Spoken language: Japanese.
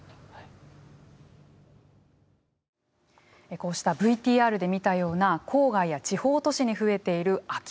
こうしたＶＴＲで見たような郊外や地方都市に増えている空き家